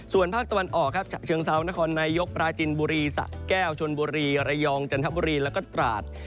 ส่วนภาคตะวันออกครับฉะเชิงเซานครนายกปราจินบุรีสะแก้วชนบุรีระยองจันทบุรีแล้วก็ตราด